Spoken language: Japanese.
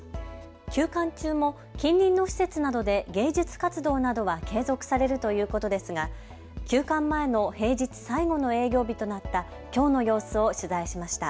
休館中も近隣の施設などで芸術活動などは継続されるということですが休館前の平日最後の営業日となったきょうの様子を取材しました。